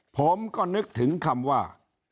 ผมก็นึกถึงคำว่า